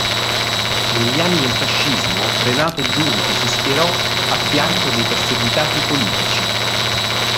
Negli anni del fascismo Renato Giunti si schierò a fianco dei perseguitati politici.